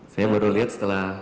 saya baru lihat setelah